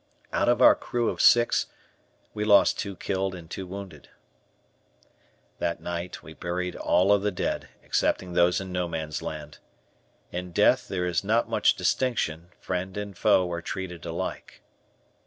Out of our crew of six, we lost two killed and two wounded. That night we buried all of the dead, excepting those in No Man's Land. In death there is not much distinction, friend and foe are treated alike.